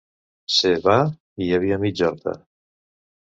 Se Va hi havia mig Horta.